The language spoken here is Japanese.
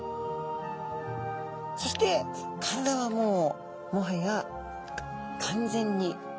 そして体はもうもはや完全に。